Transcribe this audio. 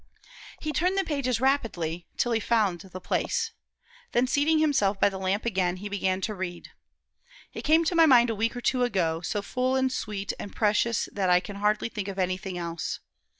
He turned the pages rapidly till he found the place. Then seating himself by the lamp again, he began to read: "It came to my mind a week or two ago, so full an' sweet an' precious that I can hardly think of anything else.